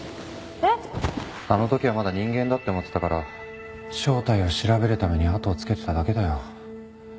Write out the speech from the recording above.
あの時はまだ人間だって思ってたから正体を調べるためにあとをつけてただけだよ。